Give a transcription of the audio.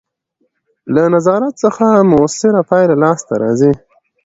له نظارت څخه مؤثره پایله لاسته راځي.